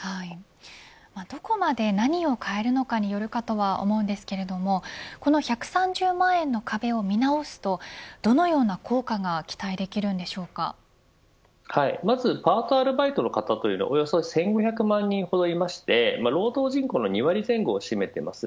どこまで何を変えるのかによるとは思いますがこの１３０万円の壁を見直すとどのような効果がまずパート、アルバイトの方というのはおよそ１５００万人ほどいまして労働人口の２割前後を占めています。